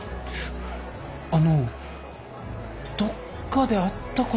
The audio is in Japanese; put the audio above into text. あのどっかで会ったこと。